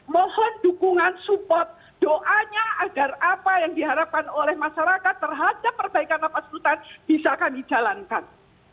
mohon dukungan support doanya agar apa yang diharapkan oleh masyarakat terhadap perbaikan lapas rutan bisa kami jalankan